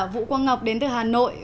vũ quang ngọc đến từ hà nội